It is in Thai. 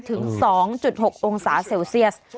ถึง๒๖องศาเซลเซียส